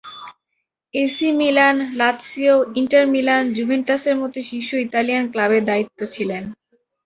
AC Milan, Lazio, Inter Milan, জুভেন্টাসের মতো শীর্ষ ইতালিয়ান ক্লাবের দায়িত্বে ছিলেন।